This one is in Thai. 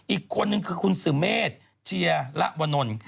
อีกคนนึงคือคุณสุเมษเจียระวนล